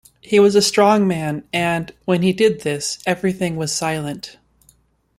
He was a strong man and, when he did this, everything was silent.